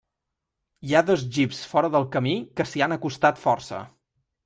Hi ha dos jeeps fora del camí que s'hi han acostat força.